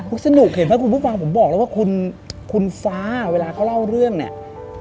คุณสนุกเห็นไหมคุณผู้ฟังผมบอกแล้วว่าคุณฟ้าเวลาเขาเล่าเรื่องเนี่ย